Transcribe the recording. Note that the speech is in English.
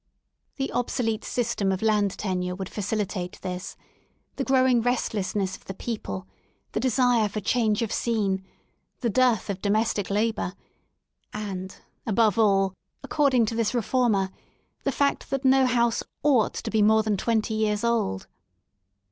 The obsolete system of land tenure would facilitate this; the growing restlessness of the people ; the desire for change of scene ; the dearth of domestic labour ; and, above all, according to this Reformer, the fact that no house might to be more than twenty years old.